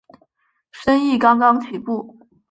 生意刚刚起步